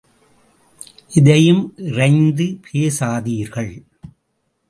எதையும் இறைந்து பேசாதீர்கள்.